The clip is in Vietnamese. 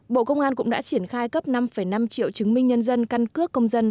bộ công an cũng đã triển khai cấp năm năm triệu chứng minh nhân dân căn cước công dân